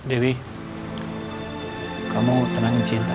dewi kamu tenangin sienta ya